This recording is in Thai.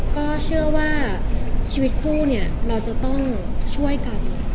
ก็เชื่อว่าชีวิตคู่เนี่ยเราจะต้องช่วยกัน